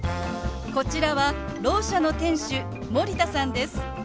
こちらはろう者の店主森田さんです。